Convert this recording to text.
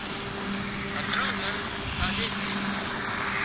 هڌران گھر ٺاهي سي